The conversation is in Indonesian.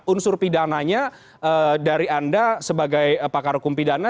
unsur pidana nya dari anda sebagai pakar hukum pidana